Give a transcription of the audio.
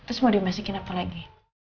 terus mau dimasukin apa lagi